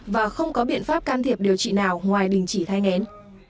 và không có biện pháp can thiệp điều trị nào ngoài đình chỉ thai ngén